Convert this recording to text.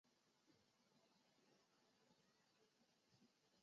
主要人口是阿斯特拉罕鞑靼人与诺盖人。